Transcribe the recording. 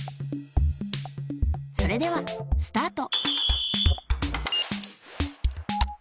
それではスタート。